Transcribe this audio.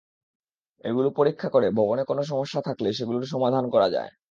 এগুলো পরীক্ষা করে ভবনে কোনো সমস্যা থাকলে সেগুলোর সমাধান করা যায়।